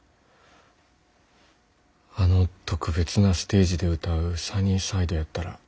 あの特別なステージで歌う「サニーサイド」やったら。